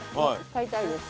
買いたいです。